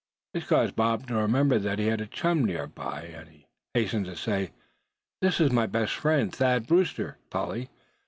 This caused Bob to remember that he had a chum near by, and he hastened to say: "This is one of my best friends, Thad Brewster, Polly.